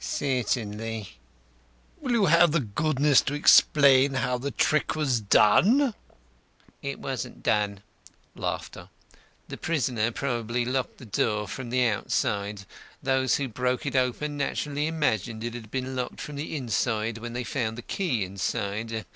"Certainly." "Will you have the goodness to explain how the trick was done?" "It wasn't done. The prisoner probably locked the door from the outside. Those who broke it open naturally imagined it had been locked from the inside when they found the key inside.